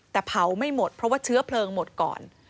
แต่เผาไม่หมดเพราะว่าเชื้อเพลิงหมดก่อน